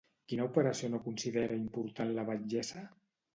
Quina operació no considera important la batllessa?